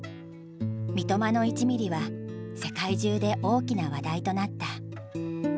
「三笘の１ミリ」は世界中で大きな話題となった。